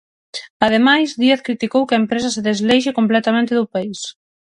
Ademais, Díaz criticou que a empresa se "desleixe completamente do país".